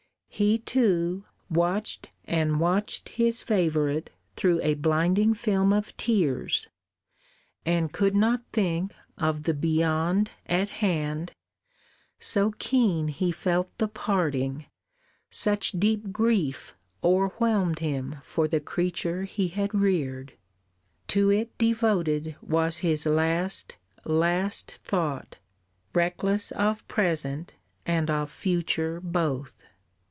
He too, watched and watched His favourite through a blinding film of tears, And could not think of the Beyond at hand, So keen he felt the parting, such deep grief O'erwhelmed him for the creature he had reared. To it devoted was his last, last thought, Reckless of present and of future both!